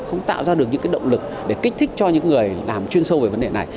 không tạo ra được những động lực để kích thích cho những người làm chuyên sâu về vấn đề này